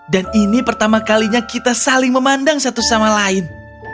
dan ini pertama kalinya kita saling memandang satu sama lain